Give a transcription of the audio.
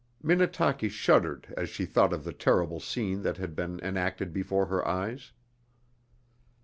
Minnetaki shuddered as she thought of the terrible scene that had been enacted before her eyes.